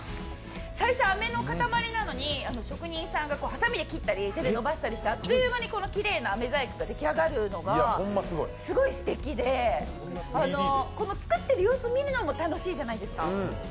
最初、飴の塊なのに、職人さんが手で伸ばしたりしてあっという間にこの飴細工が出来上がるのがすごいすてきでこの作ってる様子を見るのも楽しいじゃないですか。